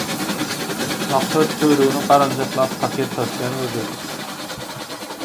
Maksat töweregine garanjaklap paket satýan gözledi.